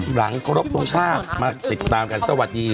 หลังครบทรงชาติมาติดตามกันสวัสดี